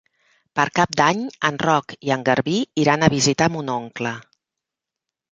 Per Cap d'Any en Roc i en Garbí iran a visitar mon oncle.